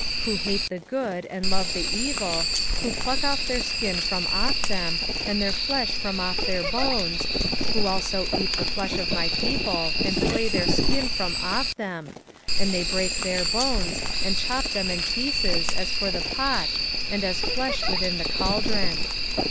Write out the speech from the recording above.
3:2 Who hate the good, and love the evil; who pluck off their skin from off them, and their flesh from off their bones; 3:3 Who also eat the flesh of my people, and flay their skin from off them; and they break their bones, and chop them in pieces, as for the pot, and as flesh within the caldron.